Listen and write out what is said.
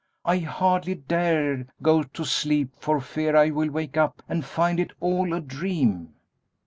I hardly dare go to sleep for fear I will wake up and find it all a dream."